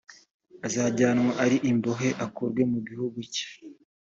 azajyanwa ari imbohe akurwe mu gihugu cye